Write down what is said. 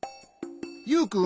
ユウくん。